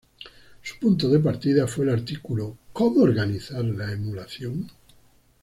Su punto de partida fue el artículo "¿Cómo organizar la emulación?